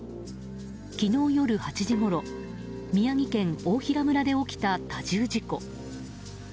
昨日夜８時ごろ宮城県大衡村で起きた多重事故。